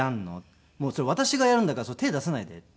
「それ私がやるんだから手出さないで」っていうような。